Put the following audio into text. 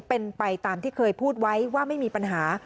เป็นไปตามที่เคยพูดไว้ว่าไม่มีปัญหา